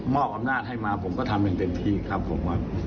อำนาจให้มาผมก็ทำอย่างเต็มที่ครับผม